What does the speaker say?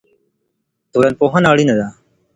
ټولنپوهنه اړینه ده.